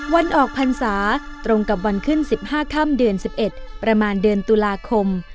วันออกพรรษาตรงกับวันขึ้น๑๕ค่ำเดือน๑๑ประมาณเดือนตุลาคม